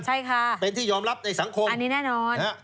ใช่ค่ะเป็นที่ยอมรับในสังคมอันนี้แน่นอน